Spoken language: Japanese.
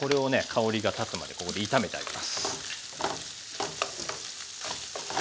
香りがたつまでここで炒めてあげます。